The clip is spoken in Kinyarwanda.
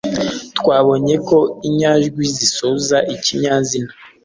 twabonye ko inyajwi zisoza ikinyazina